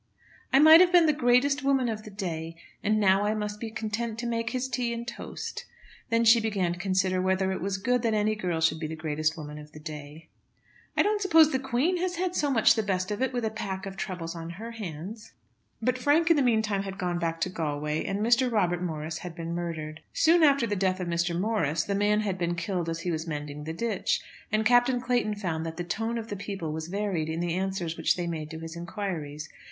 "I might have been the greatest woman of the day, and now I must be content to make his tea and toast." Then she began to consider whether it was good that any girl should be the greatest woman of the day. "I don't suppose the Queen has so much the best of it with a pack of troubles on her hands." But Frank in the meantime had gone back to Galway, and Mr. Robert Morris had been murdered. Soon after the death of Mr. Morris the man had been killed as he was mending the ditch, and Captain Clayton found that the tone of the people was varied in the answers which they made to his inquiries.